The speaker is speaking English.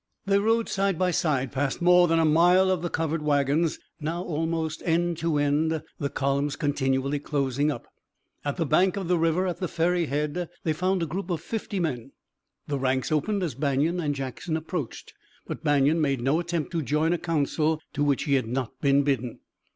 They rode side by side, past more than a mile of the covered wagons, now almost end to end, the columns continually closing up. At the bank of the river, at the ferry head, they found a group of fifty men. The ranks opened as Banion and Jackson approached, but Banion made no attempt to join a council to which he had not been bidden.